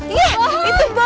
iya itu boy